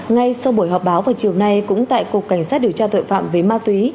ngay sau buổi họp báo vào chiều nay cũng tại cục cảnh sát điều tra tội phạm về ma túy